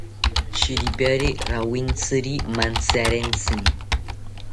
Shiripiari rawintziri mantziarentsini